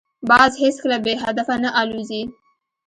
باز هیڅکله بې هدفه نه الوزي